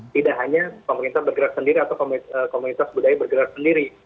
tidak hanya pemerintah bergerak sendiri atau komunitas budaya bergerak sendiri